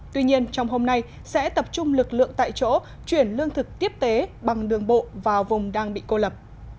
tuy nhiên trong hôm nay sẽ tập trung lực lượng tại chỗ chuyển lương thực tiếp tế bằng đường bộ vào vùng đang bị cô lập